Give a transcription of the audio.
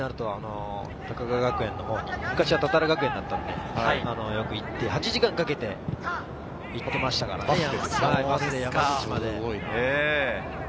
鹿実は春になると高川学園の昔は多々良学園だったんで、よく行って８時間かけて行っていましたからね。